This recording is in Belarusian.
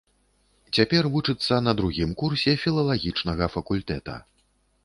Цяпер вучыцца на другім курсе філалагічнага факультэта.